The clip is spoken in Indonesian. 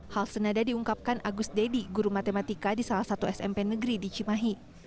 hal senada diungkapkan agus dedy guru matematika di salah satu smp negeri di cimahi